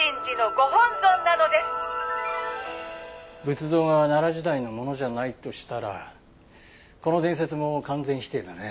仏像が奈良時代のものじゃないとしたらこの伝説も完全否定だね。